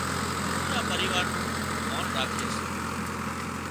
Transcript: پُورا پريوار نُون مانَ راکي سي